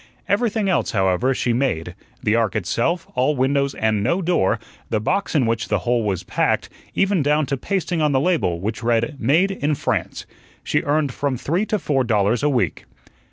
Everything else, however, she made the ark itself, all windows and no door; the box in which the whole was packed; even down to pasting on the label, which read, "Made in France." She earned from three to four dollars a week.